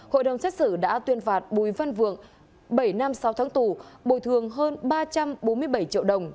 hội đồng xét xử đã tuyên phạt bùi văn vượng bảy năm sáu tháng tù bồi thường hơn ba trăm bốn mươi bảy triệu đồng